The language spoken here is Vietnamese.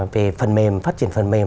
về phần mềm phát triển phần mềm